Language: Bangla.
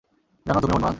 জানো, তুমিও উন্মাদ?